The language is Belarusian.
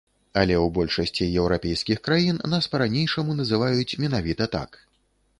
Але ў большасці еўрапейскіх краін нас па-ранейшаму называюць менавіта так.